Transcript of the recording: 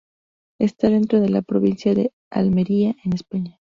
Está dentro de la provincia de Almería, en España.